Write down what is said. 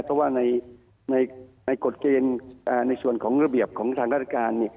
เพราะว่าในกฎเกณฑ์ในส่วนของระเบียบของทางราชการ